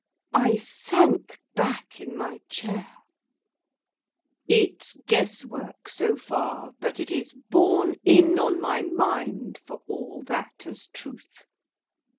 I sank back in my chair. "It's guess work, so far, but it is borne in on my mind, for all that, as truth.